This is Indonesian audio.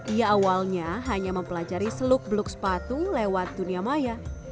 ia awalnya hanya mempelajari seluk beluk sepatu lewat dunia maya